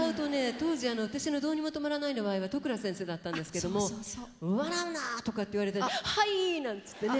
当時私の「どうにもとまらない」の場合は都倉先生だったんですけども「笑うな！」とかって言われて「はい！」なんつってね。